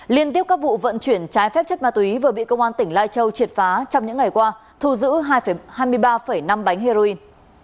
liên tiếp các vụ vận chuyển trái phép chất ma túy vừa bị công an tỉnh lai châu triệt phá trong những ngày qua thu giữ hai mươi ba năm bánh heroin